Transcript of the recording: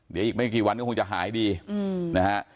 เดี๋ยวอีกไม่กี่วันก็คงจะหายดีนะฮะ